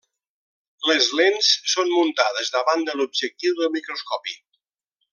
Les lents són muntades davant de l'objectiu del microscopi.